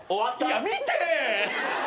いや見て！